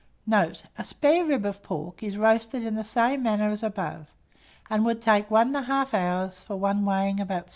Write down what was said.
Note. A spare rib of pork is roasted in the same manner as above, and would take 1 1/2 hour for one weighing about 6 lbs.